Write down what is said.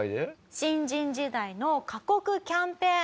新人時代の過酷キャンペーン。